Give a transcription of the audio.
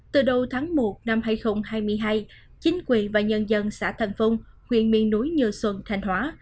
từ đầu tháng một năm hai nghìn hai mươi hai chính quyền và nhân dân xã thành phong huyện miền núi như xuân thành hóa